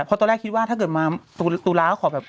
เพราะตอนแรกคิดว่าถ้าเกิดมาตุลาก็ขอแบบ